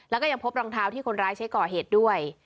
แล้วก็ยังพบรองเท้าที่คนร้ายใช้ก่อเหตุด้วย